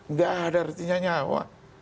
nggak ada artinya nyawa